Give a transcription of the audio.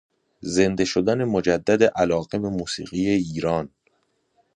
زنده شدن مجدد علاقه به موسیقی ایران